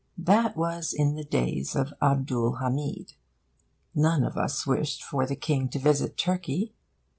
That was in the days of Abdul Hamid. None of us wished the King to visit Turkey.